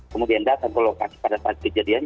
kemudian datang ke lokasi pada saat kejadian